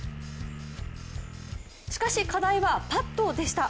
しかし課題はパットでした。